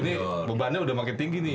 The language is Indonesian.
ini beban nya udah makin tinggi nih